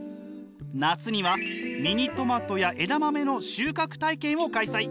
夏にはミニトマトや枝豆の収穫体験を開催。